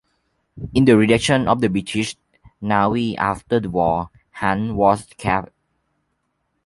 In the reduction of the British Navy after the war, "Hunt" was scrapped.